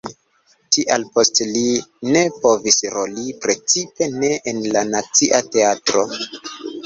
Tial poste li ne povis roli, precipe ne en la Nacia Teatro.